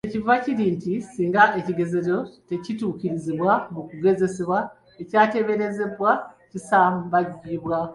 Kye kiva kiri nti singa ekigezeso tekituukirizibwa mu kugezesa, ekyateeberezebwa kisambajjibwa.